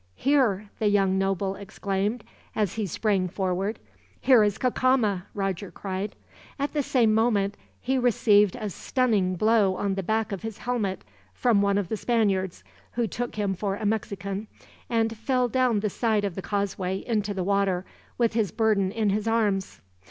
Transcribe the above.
"Here," the young noble exclaimed, as he sprang forward. "Here is Cacama," Roger cried. At the same moment, he received a stunning blow on the back of his helmet from one of the Spaniards, who took him for a Mexican; and fell down the side of the causeway, into the water, with his burden in his arms.